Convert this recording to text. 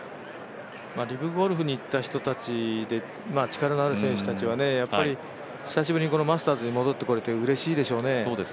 リブゴルフに行った人たちで力のある選手たちはやっぱり久しぶりにマスターズに戻ってこれてうれしいでしょうね。